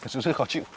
sự khó chịu